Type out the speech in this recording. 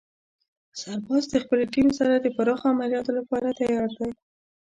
سرباز د خپلې ټیم سره د پراخو عملیاتو لپاره تیار دی.